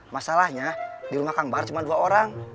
masalahnya di rumah kambar cuma dua orang